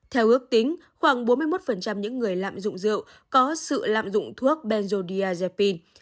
theo ước tính khoảng bốn mươi một những người lạm dụng rượu có sự lạm dụng thuốc benzodiazepine